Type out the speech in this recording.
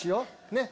ねっ？